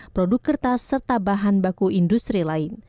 produk kertas serta bahan baku industri lain